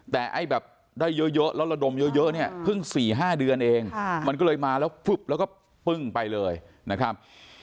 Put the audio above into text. แต่ไอ้แบบได้เยอะแล้วระดมเยอะเนี่ยเพิ่ง๔๕เดือนเองมันก็เลยมาแล้วฟึบแล้วก็ปึ้งไปเลยนะครับ